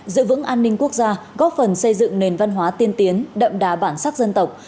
giữ vững an ninh quốc gia góp phần xây dựng nền văn hóa tiên tiến đậm đà bản sắc dân tộc